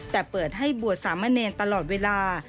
แต่เปิดให้บวชสามเณรตลอดเวลา